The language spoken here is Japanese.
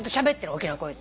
大きな声で。